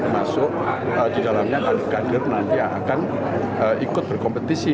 masuk di dalamnya kader kader nanti akan ikut berkompetisi